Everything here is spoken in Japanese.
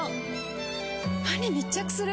歯に密着する！